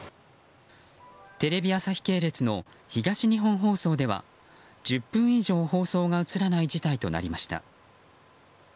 テレビ朝日系列の東日本放送では１０分以上放送が映らない事態となりました。